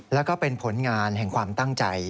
แล้วก็เป็นผลงานแห่งความตั้งใจ